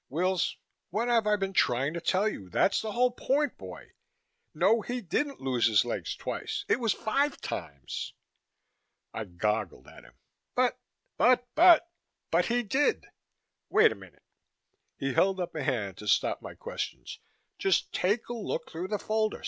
"Wills, what have I been trying to tell you? That's the whole point, boy! No, he didn't lose his legs twice. It was five times!" I goggled at him. "But " "But, but. But he did. Wait a minute " he held up a hand to stop my questions "just take a look through the folder.